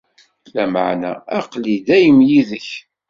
Lameɛna, aql-i dayem yid-k.